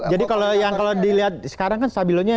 jadi kalau yang dilihat sekarang kan stabilonya